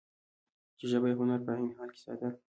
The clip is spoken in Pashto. چې ژبه يې هنري په عين حال کې ساده ،